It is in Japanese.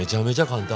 簡単！